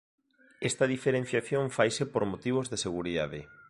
Esta diferenciación faise por motivos de seguridade.